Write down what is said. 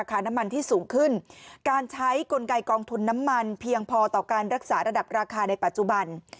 การใช้กลไกกองทุนน้ำมันเพียงพอต่อการรักษาระดับราคาในปัจจุบัน